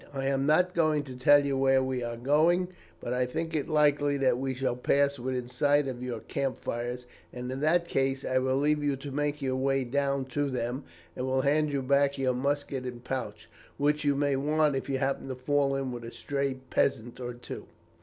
I am not going to tell where we are going; but I think it likely that we shall pass within sight of your camp fires, and in that case I will leave you to make your way down to them, and will hand you back your musket and pouch, which you may want if you happen to fall in with a stray peasant or two.'